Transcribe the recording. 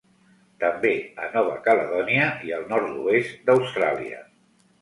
També a Nova Caledònia i al nord-oest d'Austràlia.